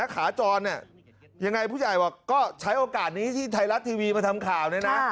ขาจรเนี่ยยังไงผู้ใหญ่บอกก็ใช้โอกาสนี้ที่ไทยรัฐทีวีมาทำข่าวเนี่ยนะ